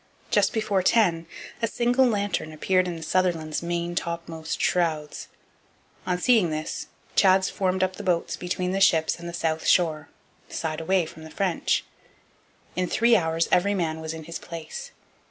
Just before ten a single lantern appeared in the Sutherland's main topmast shrouds. On seeing this, Chads formed up the boats between the ships and the south shore, the side away from the French. In three hours every man was in his place.